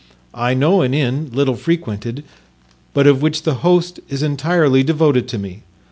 I know an inn, little frequented, but of which the host is entirely devoted to me.